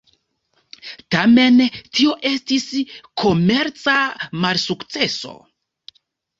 Tamen, tio estis komerca malsukceso.